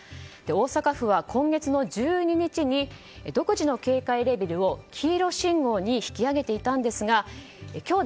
大阪府は、今月１２日に独自の警戒レベルを黄色信号に引き上げていたんですが今日